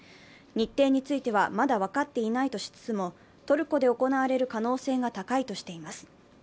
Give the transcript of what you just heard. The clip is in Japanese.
日程についてはまだ分かっていないとしつつもトルコで行われる可能性が高いとしています。